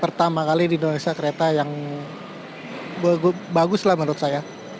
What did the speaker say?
pertama kali di indonesia kereta yang bagus lah menurut saya